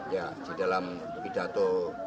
ya di dalam pidato